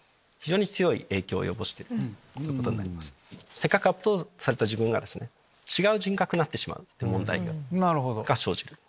せっかくアップロードされた自分が違う人格になってしまう問題が生じる。